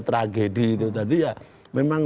tragedi itu tadi ya memang